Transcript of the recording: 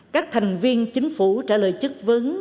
các thành viên chính phủ trả lời chất vấn